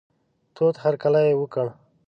تود هرکلی یې وکړ.